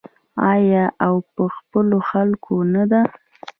آیا او په خپلو خلکو نه ده؟